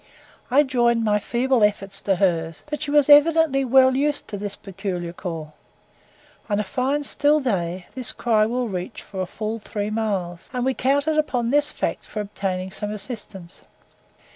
I joined my feeble, efforts to hers; but she was evidently well used to this peculiar call. On a fine still day, this cry will reach for full three miles, and we counted upon this fact for obtaining some assistance.